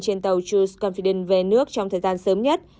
trên tàu choose confident về nước trong thời gian sớm nhất